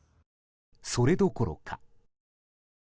それどころか。